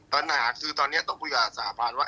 ปัญหาคือตอนนี้ต้องคุยกับสหภัณฑ์ว่า